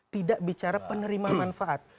tidak bicara penerima manfaat